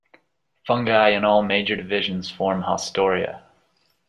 Fungi in all major divisions form haustoria.